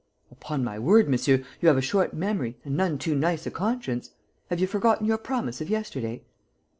"Upon my word, monsieur, you have a short memory and none too nice a conscience. Have you forgotten your promise of yesterday?"